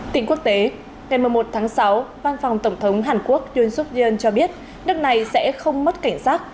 tình quốc tế ngày một mươi một tháng sáu văn phòng tổng thống hàn quốc yun suk yoon cho biết nước này sẽ không mất cảnh sát